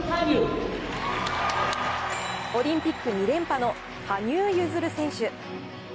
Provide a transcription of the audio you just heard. オリンピック２連覇の羽生結弦選手。